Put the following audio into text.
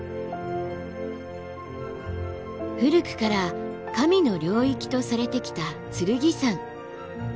古くから神の領域とされてきた剣山。